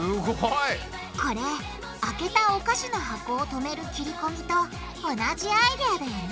これ開けたおかしの箱をとめる切りこみと同じアイデアだよね